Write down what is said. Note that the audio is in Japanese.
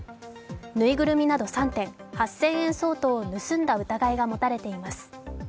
ぬいぐるみなど３点、８０００円相当を盗んだ疑いが持たれています。